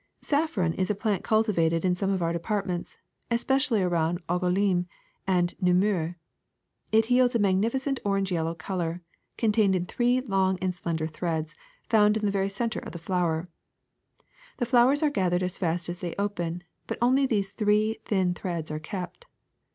*^ Saffron is a plant cultivated in some of our departments, especially around Angouleme and Nemours. It yields a magnificent orange yellow color, contained in three long and slender threads found in the very center of the flower. The flowers are gathered as fast as they open, but only these three thin threads are kept.